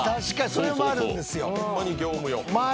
それもあるんですよ。